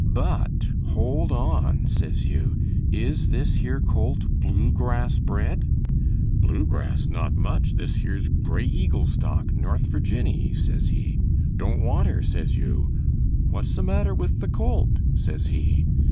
'But hold on,' says you, 'is this here colt Blue Grass bred?' 'Blue Grass! Not much. This here's Grey Eagle stock, North Virginny' says he. 'Don't want her,' says you. 'What's the matter with the colt?' says he.